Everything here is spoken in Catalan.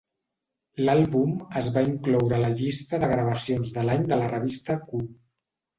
L'àlbum es va incloure a la llista de gravacions de l'any de la revista "Q".